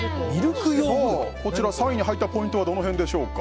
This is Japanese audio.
こちら、３位に入ったポイントはどの辺でしょうか。